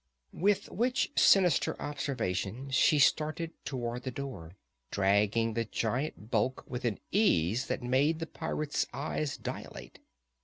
With which sinister observation she started toward the door, dragging the giant bulk with an ease that made the pirate's eyes dilate.